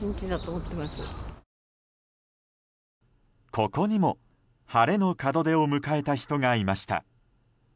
ここにも、晴れの門出を迎えた人がいました。